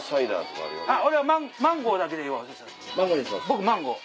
僕マンゴー。